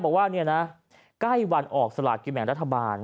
บอกว่าใกล้วันออกสลาดกินแหม่งรัฐบาล